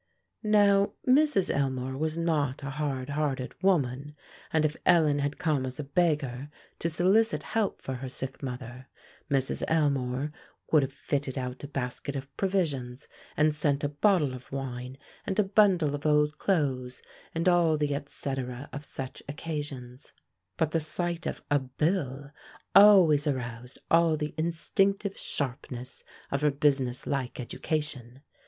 Now, Mrs. Elmore was not a hard hearted woman, and if Ellen had come as a beggar to solicit help for her sick mother, Mrs. Elmore would have fitted out a basket of provisions, and sent a bottle of wine, and a bundle of old clothes, and all the et cetera of such occasions; but the sight of a bill always aroused all the instinctive sharpness of her business like education.